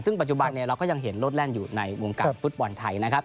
ซึ่งปัจจุบันเราก็ยังเห็นรถแล่นอยู่ในวงการฟุตบอลไทยนะครับ